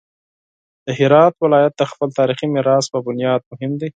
د هرات ولایت د خپل تاریخي میراث په بنیاد مهم دی.